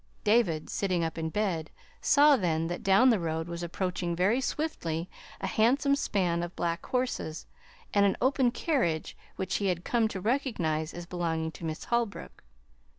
David, sitting up in bed, saw then that down the road was approaching very swiftly a handsome span of black horses and an open carriage which he had come to recognize as belonging to Miss Holbrook.